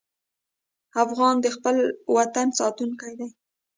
افغان د خپل وطن ساتونکی دی.